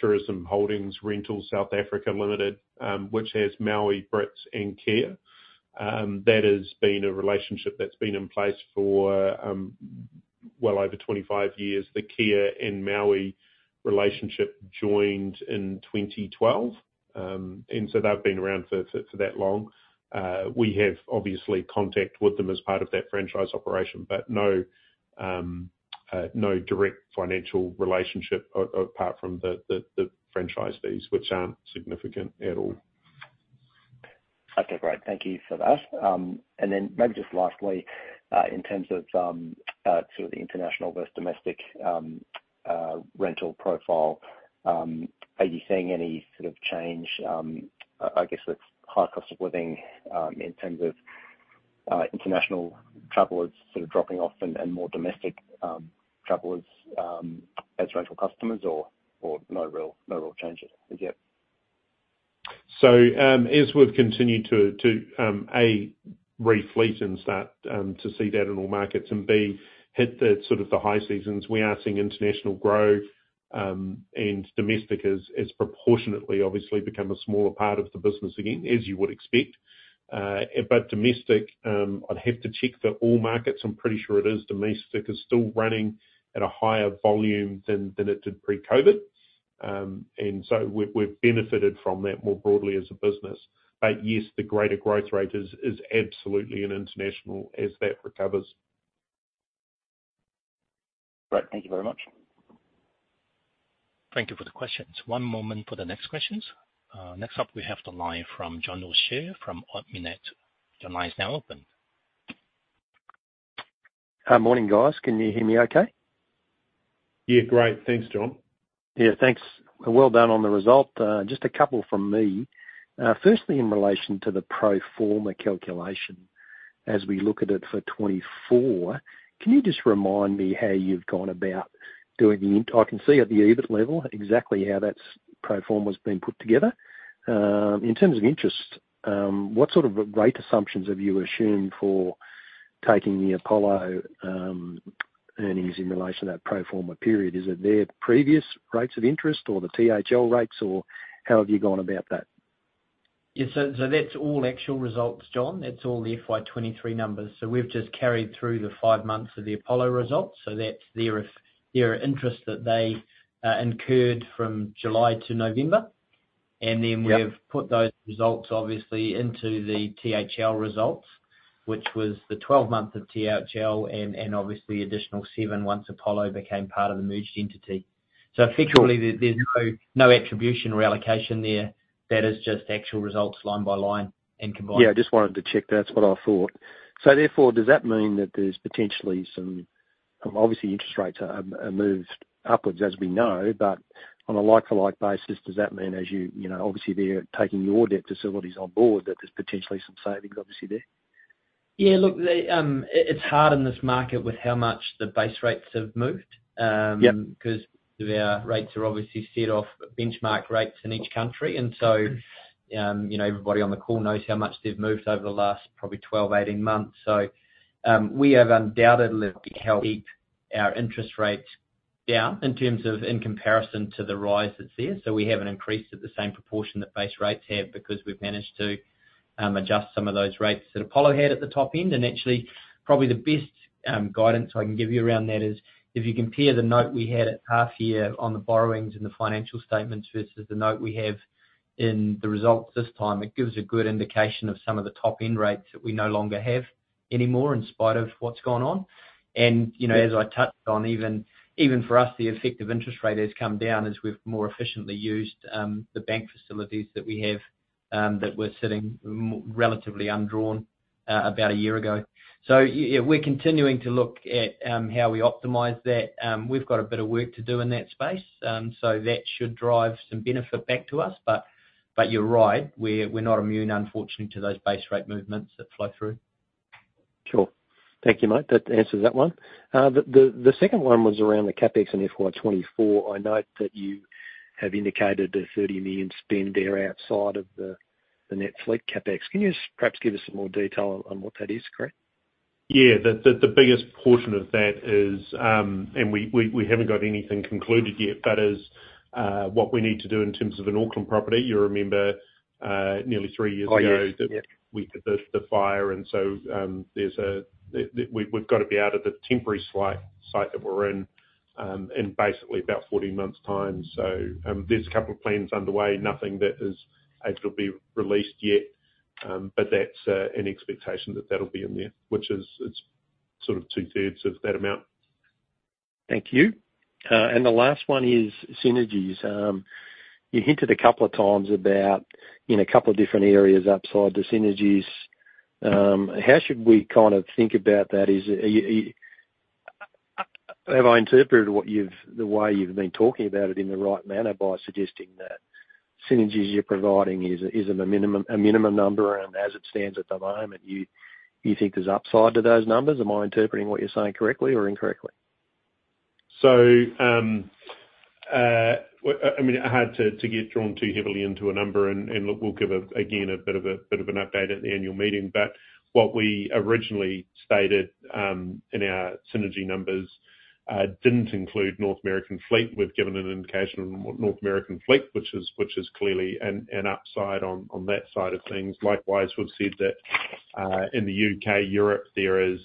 Tourism Holdings Rentals South Africa Limited, which has Maui, Britz, and Kea. That has been a relationship that's been in place for well over 25 years. The Kea and Maui relationship joined in 2012. And so they've been around for that long. We have obviously contact with them as part of that franchise operation, but no, no direct financial relationship apart from the franchise fees, which aren't significant at all. Okay. Great, thank you for that. And then maybe just lastly, in terms of sort of the international versus domestic rental profile, are you seeing any sort of change, I guess, with high cost of living, in terms of international travelers sort of dropping off and more domestic travelers as rental customers or no real changes as yet? So, as we've continued to A, refleet and start to see that in all markets, and B, hit the sort of the high seasons, we are seeing international growth, and domestic has proportionately obviously become a smaller part of the business again, as you would expect. But domestic, I'd have to check for all markets. I'm pretty sure it is domestic is still running at a higher volume than it did pre-COVID. And so we've benefited from that more broadly as a business. But yes, the greater growth rate is absolutely in international as that recovers. Great. Thank you very much. Thank you for the questions. One moment for the next questions. Next up, we have the line from John O'Shea from Ord Minnett. Your line is now open. Morning, guys. Can you hear me okay? Yeah, great. Thanks, John. Yeah, thanks, and well done on the result. Just a couple from me. Firstly, in relation to the pro forma calculation, as we look at it for 2024, can you just remind me how you've gone about doing the... I can see at the EBIT level exactly how that pro forma has been put together. In terms of interest, what sort of rate assumptions have you assumed for taking the Apollo earnings in relation to that pro forma period? Is it their previous rates of interest or the THL rates, or how have you gone about that? Yeah, so that's all actual results, John. That's all the FY 2023 numbers. So we've just carried through the 5 months of the Apollo results. So that's their interest that they incurred from July to November. Yep. And then we've put those results obviously into the THL results, which was the 12 months of THL, and obviously additional seven once Apollo became part of the merged entity. Sure. So effectively, there's no attribution or allocation there. That is just actual results line by line and combined. Yeah, I just wanted to check. That's what I thought. So therefore, does that mean that there's potentially some, obviously interest rates have moved upwards, as we know, but on a like-for-like basis, does that mean as you, you know, obviously they're taking your debt facilities on board, that there's potentially some savings obviously there? Yeah, look, it's hard in this market with how much the base rates have moved. Yep. Because their rates are obviously set off benchmark rates in each country. And so, you know, everybody on the call knows how much they've moved over the last probably 12, 18 months. So, we have undoubtedly held our interest rates down in terms of in comparison to the rise that's there. So we haven't increased at the same proportion that base rates have, because we've managed to, adjust some of those rates that Apollo had at the top end. And actually, probably the best, guidance I can give you around that is, if you compare the note we had at half year on the borrowings and the financial statements versus the note we have in the results this time, it gives a good indication of some of the top-end rates that we no longer have anymore, in spite of what's gone on. You know, as I touched on, even, even for us, the effective interest rate has come down as we've more efficiently used the bank facilities that we have, that were sitting relatively undrawn about a year ago. So yeah, we're continuing to look at how we optimize that. We've got a bit of work to do in that space, so that should drive some benefit back to us. But, but you're right, we're, we're not immune, unfortunately, to those base rate movements that flow through. Sure. Thank you, mate. That answers that one. The second one was around the CapEx and FY 2024. I note that you have indicated a 30 million spend there outside of the net fleet CapEx. Can you just perhaps give us some more detail on what that is, Craig? Yeah. The biggest portion of that is, and we haven't got anything concluded yet, but is what we need to do in terms of an Auckland property. You remember nearly three years ago- Oh, yes. -that we had the fire, and so, there's a... That we've got to be out of the temporary site that we're in, in basically about 14 months' time. So, there's a couple of plans underway, nothing that is able to be released yet, but that's an expectation that that'll be in there, which is, it's sort of two-thirds of that amount. Thank you. And the last one is synergies. You hinted a couple of times about, in a couple of different areas, upside the synergies. How should we kind of think about that? Have I interpreted the way you've been talking about it in the right manner by suggesting that synergies you're providing is a minimum number, and as it stands at the moment, you think there's upside to those numbers? Am I interpreting what you're saying correctly or incorrectly? So, hard to get drawn too heavily into a number, and look, we'll give, again, a bit of a, bit of an update at the annual meeting. But what we originally stated in our synergy numbers didn't include North American fleet. We've given an indication on North American fleet, which is clearly an upside on that side of things. Likewise, we've said that in the UK, Europe, there is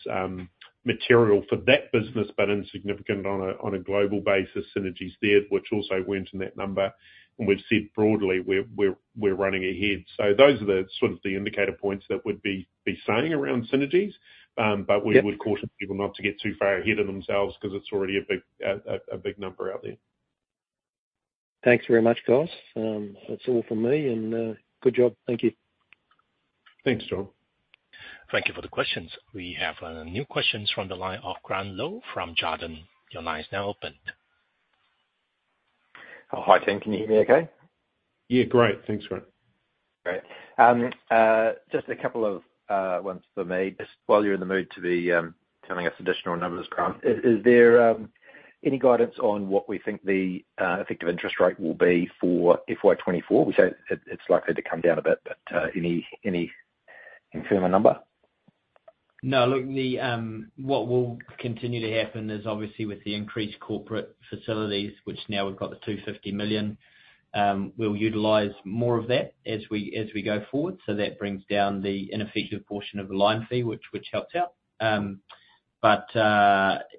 material for that business, but insignificant on a global basis, synergies there, which also weren't in that number. And we've said broadly, we're running ahead. So those are the sort of the indicator points that would be saying around synergies. But we- Yep... would caution people not to get too far ahead of themselves, 'cause it's already a big, a big number out there. Thanks very much, guys. That's all from me, and good job. Thank you. Thanks, John. Thank you for the questions. We have new questions from the line of Grant Lowe from Jarden. Your line is now open. Oh, hi, team. Can you hear me okay? Yeah, great. Thanks, Grant. Great. Just a couple of ones for me. Just while you're in the mood to be telling us additional numbers, Grant, is there any guidance on what we think the effective interest rate will be for FY 2024? We say it, it's likely to come down a bit, but any firmer number? No, look, the, what will continue to happen is obviously with the increased corporate facilities, which now we've got the 250 million, we'll utilize more of that as we, as we go forward. So that brings down the ineffective portion of the line fee, which, which helps out. But,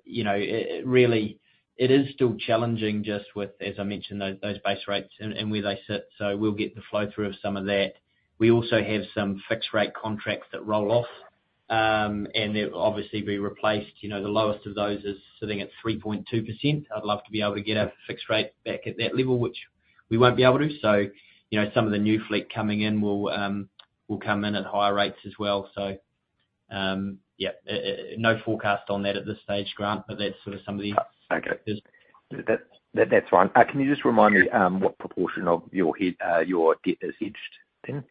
you know, it, it really, it is still challenging just with, as I mentioned, those, those base rates and, and where they sit, so we'll get the flow through of some of that. We also have some fixed rate contracts that roll off, and they'll obviously be replaced. You know, the lowest of those is sitting at 3.2%. I'd love to be able to get a fixed rate back at that level, which we won't be able to. So, you know, some of the new fleet coming in will come in at higher rates as well. So, yeah, no forecast on that at this stage, Grant, but that's sort of some of the- Okay. Yes. That, that's fine. Can you just remind me, what proportion of your debt is hedged then?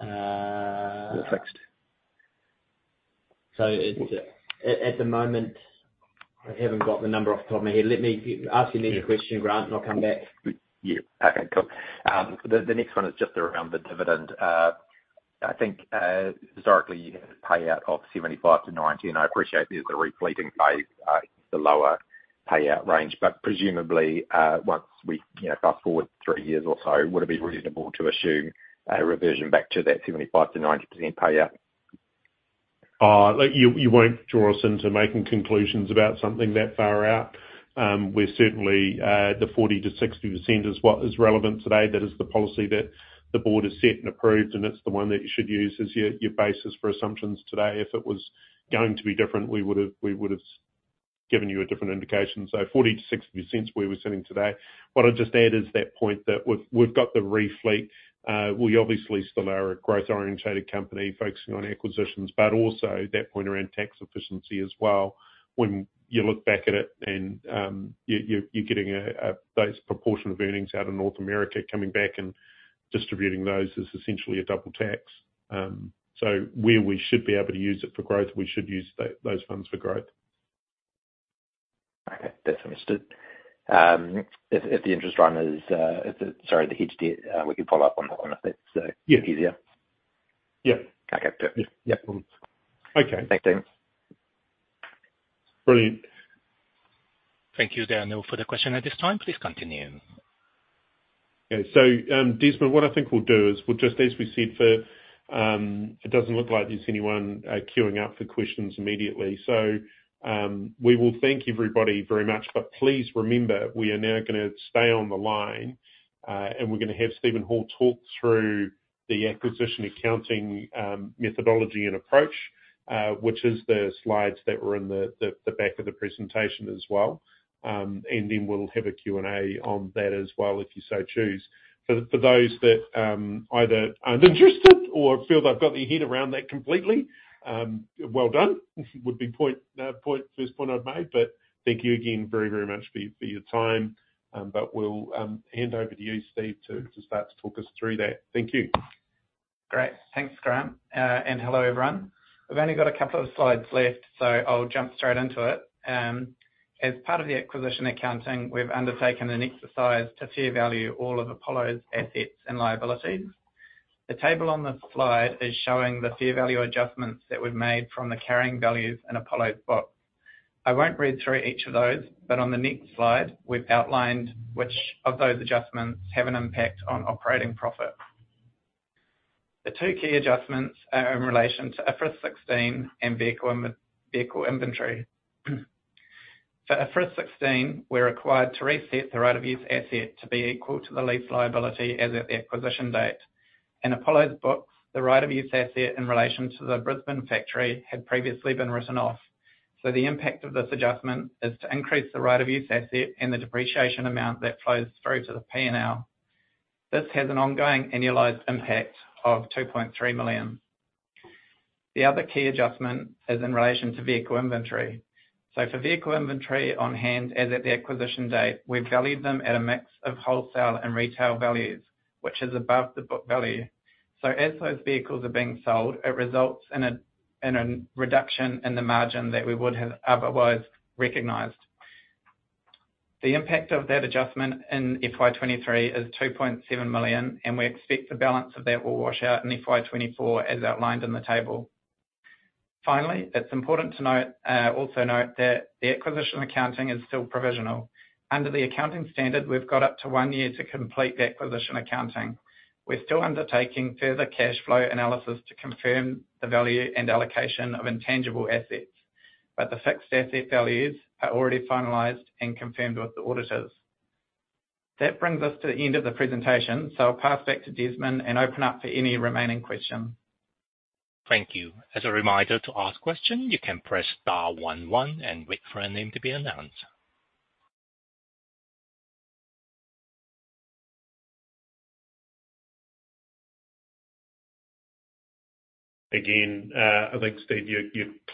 Uh- Or fixed? At the moment, I haven't got the number off the top of my head. Let me... Ask me the question, Grant, and I'll come back. Yeah. Okay, cool. The next one is just around the dividend. I think historically, you had a payout of 75-90, and I appreciate there's a replenishing phase, the lower payout range. But presumably, once we, you know, fast forward three years or so, would it be reasonable to assume a reversion back to that 75%-90% payout? Look, you, you won't draw us into making conclusions about something that far out. We're certainly, the 40%-60% is what is relevant today. That is the policy that the board has set and approved, and it's the one that you should use as your, your basis for assumptions today. If it was going to be different, we would've, we would've given you a different indication. So 40%-60%, we were sitting today. What I'd just add is that point that we've, we've got the refleet. We obviously still are a growth-oriented company focusing on acquisitions, but also that point around tax efficiency as well. When you look back at it and, you're, you're, you're getting a, a, those proportion of earnings out of North America, coming back and distributing those is essentially a double tax. So where we should be able to use it for growth, we should use those funds for growth. Okay. That's understood. If the interest run is, if the... Sorry, the hedged debt, we can follow up on that one, if it's- Yeah... easier. Yeah. Okay, perfect. Yeah. Yeah. Okay. Thanks, team. Brilliant. Thank you, Daniel, for the question. At this time, please continue. Okay, so, Desmond, what I think we'll do is we'll just, as we said for, it doesn't look like there's anyone queuing up for questions immediately. So, we will thank everybody very much, but please remember, we are now gonna stay on the line, and we're gonna have Steven Hall talk through the acquisition accounting methodology and approach, which is the slides that were in the back of the presentation as well. And then we'll have a Q&A on that as well, if you so choose. For those that either aren't interested or feel they've got their head around that completely, well done would be the first point I'd made. But thank you again very, very much for your time. But we'll hand over to you, Steve, to start to talk us through that. Thank you. Great. Thanks, Grant. And hello, everyone. I've only got a couple of slides left, so I'll jump straight into it. As part of the acquisition accounting, we've undertaken an exercise to fair value all of Apollo's assets and liabilities. The table on this slide is showing the fair value adjustments that we've made from the carrying values in Apollo's book. I won't read through each of those, but on the next slide, we've outlined which of those adjustments have an impact on operating profit. The two key adjustments are in relation to IFRS 16 and vehicle and vehicle inventory.... For IFRS 16, we're required to reset the right-of-use asset to be equal to the lease liability as at the acquisition date. In Apollo's books, the right-of-use asset in relation to the Brisbane factory had previously been written off, so the impact of this adjustment is to increase the right-of-use asset and the depreciation amount that flows through to the P&L. This has an ongoing annualized impact of 2.3 million. The other key adjustment is in relation to vehicle inventory. So for vehicle inventory on hand, as at the acquisition date, we valued them at a mix of wholesale and retail values, which is above the book value. So as those vehicles are being sold, it results in a reduction in the margin that we would have otherwise recognized. The impact of that adjustment in FY 2023 is 2.7 million, and we expect the balance of that will wash out in FY 2024, as outlined in the table. Finally, it's important to note, also note that the acquisition accounting is still provisional. Under the accounting standard, we've got up to one year to complete the acquisition accounting. We're still undertaking further cash flow analysis to confirm the value and allocation of intangible assets, but the fixed asset values are already finalized and confirmed with the auditors. That brings us to the end of the presentation, so I'll pass back to Desmond and open up for any remaining questions. Thank you. As a reminder, to ask question, you can press star one one and wait for your name to be announced. Again, I think, Steve, your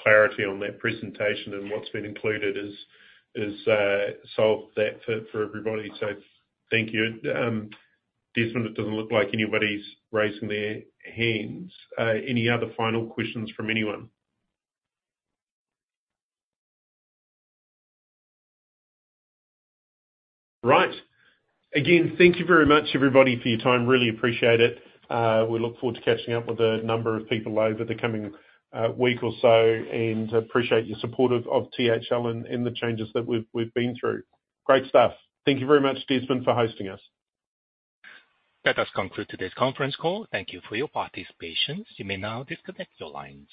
clarity on that presentation and what's been included is solved that for everybody, so thank you. Desmond, it doesn't look like anybody's raising their hands. Any other final questions from anyone? Right. Again, thank you very much, everybody, for your time. Really appreciate it. We look forward to catching up with a number of people over the coming week or so, and appreciate your support of THL and the changes that we've been through. Great stuff. Thank you very much, Desmond, for hosting us. That does conclude today's conference call. Thank you for your participation. You may now disconnect your lines.